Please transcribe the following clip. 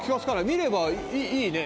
見れば、いいね。